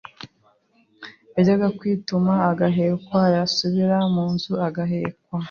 yajya kwituma agahekwa yasubira mu nzu agahekwa